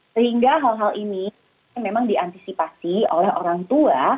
sehingga hal hal ini memang diantisipasi oleh orang tua